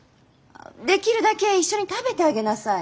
できるだけ一緒に食べてあげなさい。